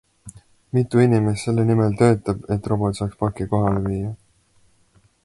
Mitu inimest selle nimel töötab, et robot saaks paki kohale viia?